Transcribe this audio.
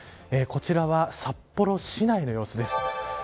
こちらは札幌市内の様子です。